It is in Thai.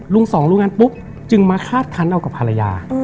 ลุงสองรู่งั้นปุ๊บจึงมาคาดครั้งเอากับภรรยา